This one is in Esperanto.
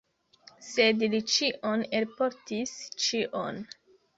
Sed li ĉion elportis, ĉion!